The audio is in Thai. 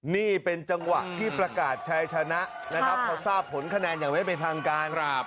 นี่เป็นจังหวะที่ประกาศชายชนะนะครับเขาทราบผลคะแนนอย่างไม่เป็นทางการ